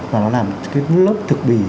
và nó làm cái lớp thực bì